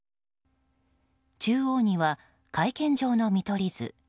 中央には会見場の見取り図。